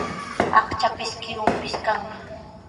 Aqchaapis, kiruupis kanmi.